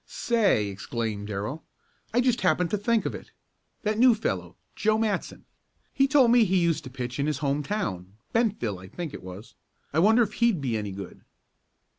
"Say!" exclaimed Darrell. "I just happened to think of it. That new fellow Joe Matson. He told me he used to pitch in his home town Bentville I think it was. I wonder if he'd be any good?"